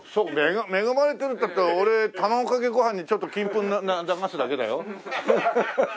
恵まれてるったって俺卵かけご飯にちょっと金粉流すだけだよ。